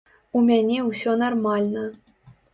У мяне ўсё нармальна.